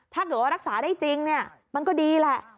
ถ้าเกิดว่ารักษาได้จริงมันก็ดีแหละ